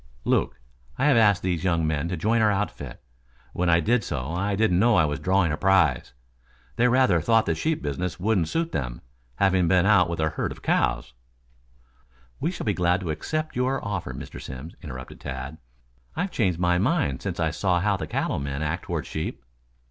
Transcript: "Luke, I have asked these young men to join our outfit. When I did so, I didn't know I was drawing a prize. They rather thought the sheep business wouldn't suit them, having been out with a herd of cows " "We shall be glad to accept your kind offer, Mr. Simms," interrupted Tad. "I've changed my mind since I saw how the cattle men act toward sheep."